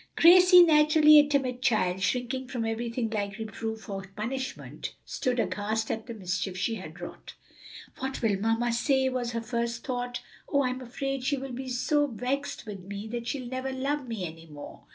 Gracie, naturally a timid child, shrinking from everything like reproof or punishment, stood aghast at the mischief she had wrought. "What will mamma say?" was her first thought. "Oh, I'm afraid she will be so vexed with me that she'll never love me any more!"